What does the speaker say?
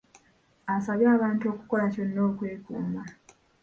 Asabye abantu okukola kyonna okwekuuma.